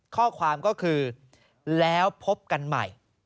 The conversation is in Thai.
ข้อความก็คือแล้วพบกันใหม่